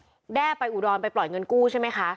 ก็ให้แถมก่อนตายเนี่ยแด้ไปอุดรไปปล่อยเงินกู้ใช่ไหมคะ